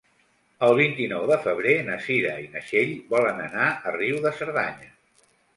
El vint-i-nou de febrer na Cira i na Txell volen anar a Riu de Cerdanya.